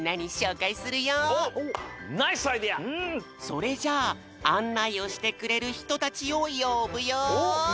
それじゃああんないをしてくれるひとたちをよぶよ！